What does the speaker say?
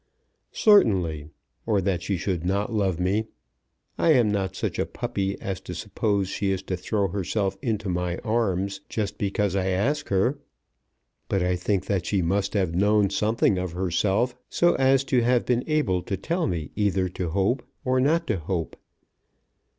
"Certainly; or that she should not love me. I am not such a puppy as to suppose that she is to throw herself into my arms just because I ask her. But I think that she must have known something of herself so as to have been able to tell me either to hope or not to hope.